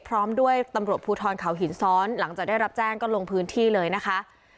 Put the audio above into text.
พร้อมด้วยตำรวจภูทรเขาหินซ้อนหลังจากได้รับแจ้งก็ลงพื้นที่เลยนะคะ